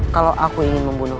kalau aku ingin membunuh